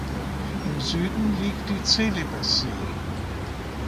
Im Süden liegt die Celebessee.